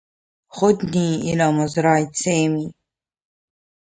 خذني إلى مزرعة سامي.